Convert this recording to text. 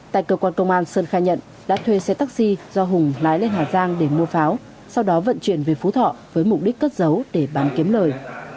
tại cơ quan công an sơn khai nhận đã thuê xe taxi do hùng lái lên hà giang để mua pháo sau đó vận chuyển về phú thọ với mục đích cất giấu để bán kiếm lời